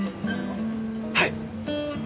はい。